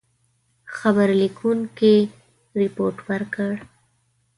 خبر لیکونکي رپوټ ورکړ.